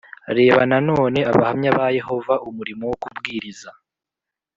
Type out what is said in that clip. Reba nanone abahamya ba yehova umurimo wo kubwiriza